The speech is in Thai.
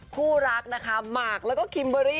คู่รักนะคะหมากแล้วก็คิมเบอรี่